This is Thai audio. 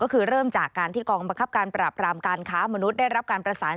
ก็คือเริ่มจากการที่กองบังคับการปราบรามการค้ามนุษย์ได้รับการประสาน